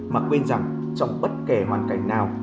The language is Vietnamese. mà quên rằng trong bất kể hoàn cảnh nào